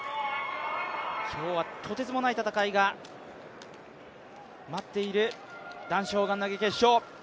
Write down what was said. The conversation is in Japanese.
今日はとてつもない戦いが待っている男子砲丸投決勝。